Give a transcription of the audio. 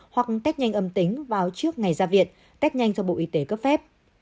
hoặc test nhanh âm tính vào trước ngày ra viện test nhanh do bộ y tế cấp phép